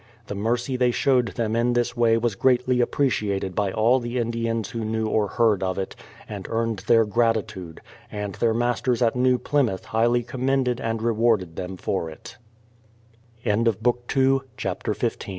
The mercy they showed them in this way was greatly appreciated by all the Indians who knew or heard of it, and earned their grati tude; and their masters at New Plymouth highly com mended and rewarded them f